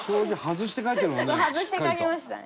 外して描きましたね。